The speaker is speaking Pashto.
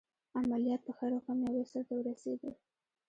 عملیات په خیر او کامیابۍ سرته ورسېدل.